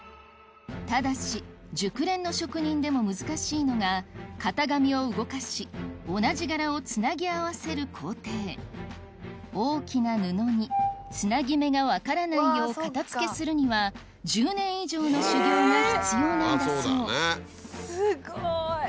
ただし熟練の職人でも難しいのが型紙を動かし同じ柄をつなぎ合わせる工程大きな布につなぎ目が分からないよう型付けするには１０年以上の修業が必要なんだそうすごい！